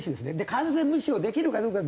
完全無視をできるかどうか勇気ですわ